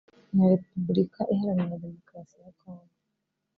na Repubulika iharanira Demokarasi ya Congo